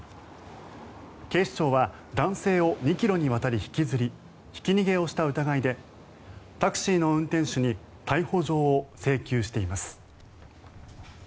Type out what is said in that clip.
警視庁は男性を２ｋｍにわたり引きずりひき逃げをした疑いでタクシーの運転手に逮捕状を請求しています。